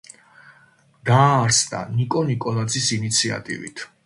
დაარსდა ნიკო ნიკოლაძის ინიციატივით.